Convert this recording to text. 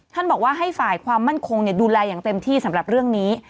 บอกว่าให้ฝ่ายความมั่นคงดูแลอย่างเต็มที่สำหรับเรื่องนี้